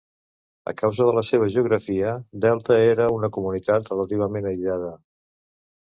A causa de la seva geografia, Delta era una comunitat relativament aïllada.